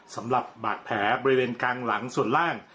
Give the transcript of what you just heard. สำหรับบาดแผลบริเวณกลางหลังส่วนล่าง